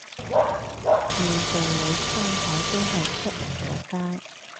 照道理粗口都係出唔到街